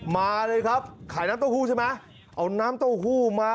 มาเลยครับขายน้ำเต้าหู้ใช่ไหมเอาน้ำเต้าหู้มา